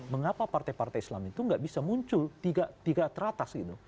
mengapa partai partai islam itu nggak bisa muncul tiga teratas gitu